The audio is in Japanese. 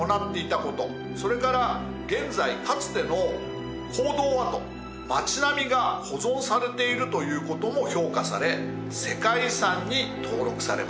それから現在かつての坑道跡町並みが保存されているということも評価され世界遺産に登録されました。